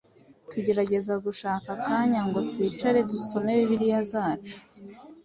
Tugerageza gushaka akanya ngo twicare dusome Bibiliya zacu,